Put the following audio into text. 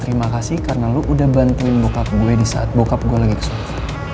terima kasih karena lo udah bantuin bokap gue di saat bokap gue lagi kesulitan